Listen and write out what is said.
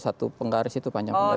satu penggaris itu panjang penggaris